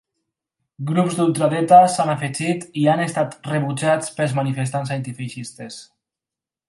Grups d’ultradreta s’hi han afegit i han estat rebutjat pels manifestants antifeixistes.